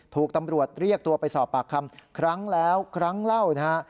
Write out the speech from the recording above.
ถูกตำรวจเรียกตัวไปสอบปากคำครั้งแล้วครั้งเล่านะฮะ